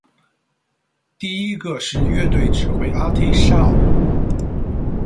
第一个是乐队指挥 Artie Shaw。